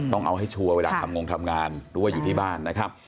ต้องเอาให้ชัวร์เวลาทำงงทำงานหรือว่าอยู่ที่บ้านนะครับ